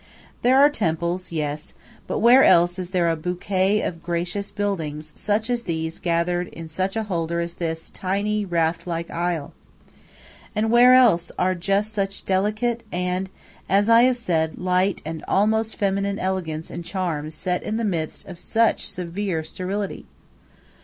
There are temples, yes; but where else is there a bouquet of gracious buildings such as these gathered in such a holder as this tiny, raft like isle? And where else are just such delicate and, as I have said, light and almost feminine elegance and charm set in the midst of such severe sterility?